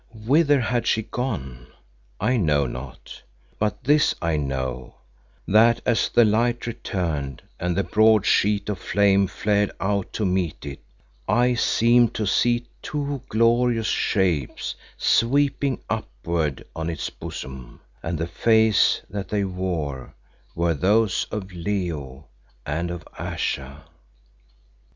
Whither had she gone? I know not. But this I know, that as the light returned and the broad sheet of flame flared out to meet it, I seemed to see two glorious shapes sweeping upward on its bosom, and the faces that they wore were those of Leo and of Ayesha.